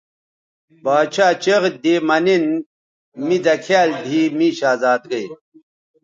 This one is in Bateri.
باڇھا چیغ دی مہ نِن می دکھیال دیھی می شہزادئ